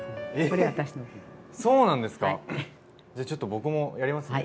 じゃあちょっと僕もやりますね。